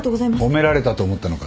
褒められたと思ったのか？